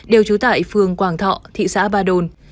đều trú tại phường quảng thọ thị xã ba đồn